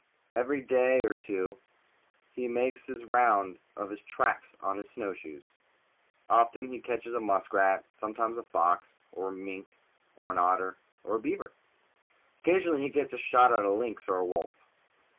Every day or two he makes the round of his traps on his snow shoes. Often he catches a musk rat, some times a fox, or a mink, or an otter, or a beaver. Occasionally he gets a shot at a lynx or a wolf.